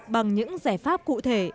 bằng những giải pháp cụ thể